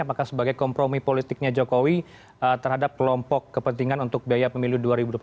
apakah sebagai kompromi politiknya jokowi terhadap kelompok kepentingan untuk biaya pemilu dua ribu dua puluh